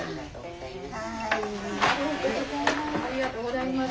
ありがとうございます。